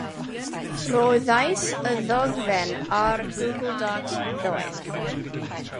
Rhoddais i ddogfen ar Google Docs ddoe.